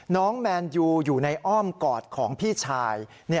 แมนยูอยู่ในอ้อมกอดของพี่ชาย